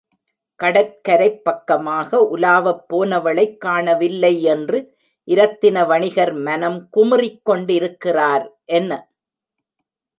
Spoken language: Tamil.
கடற்கரைப் பக்கமாக உலாவப் போனவளைக் காணவில்லை என்று இரத்தின வணிகர் மனம் குமுறிக் கொண்டிருக்கிறார். என்ன?